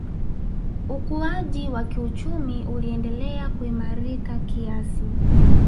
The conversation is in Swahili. Ukuaji wa kiuchumi uliendelea kuimarika kiasi